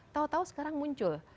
tau tau sekarang muncul